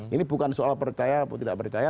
ini bukan soal percaya atau tidak percaya